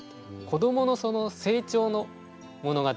子どものその成長の物語